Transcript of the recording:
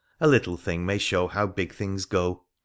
A little thing may show how big things go.